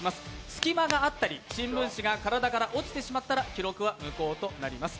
隙間があったり新聞紙が体から落ちてしまったら記録は無効となります。